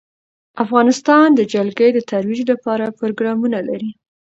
افغانستان د جلګه د ترویج لپاره پروګرامونه لري.